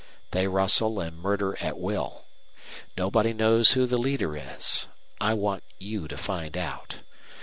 They rustle and murder at will. Nobody knows who the leader is. I want you to find out.